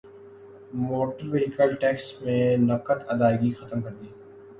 motor vehicle tax میں نقد ادائیگی ختم کردی